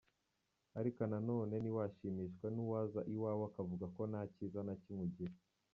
Ariko na none ntiwashimishwa n’uwaza iwawe akavuga ko nta kiza na kimwe ugira.